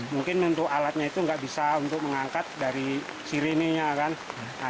mungkin untuk alatnya itu tidak bisa untuk mengangkat dari sirenenya